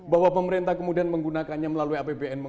bahwa pemerintah kemudian menggunakannya melalui apbn